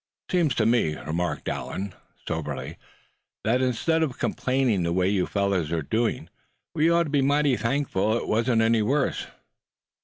"Seems to me," remarked Allan, soberly, "that instead of complaining the way you fellows are doing, we ought to be mighty thankful it wasn't any worse."